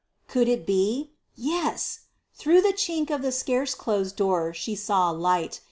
Could it be? Yes! Through the chink of the scarce closed door she saw light.